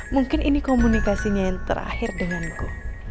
mungkin ini komunikasinya yang terakhir denganku